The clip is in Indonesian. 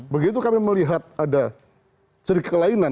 begitu kami melihat ada ciri kelainan